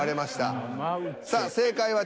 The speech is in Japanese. さあ正解は？